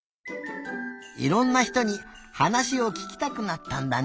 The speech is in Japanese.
いろんな人にはなしをききたくなったんだね！